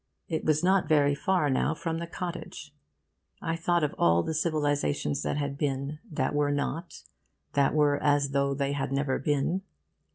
It was not very far now from the cottage. I thought of all the civilisations that had been, that were not, that were as though they had never been.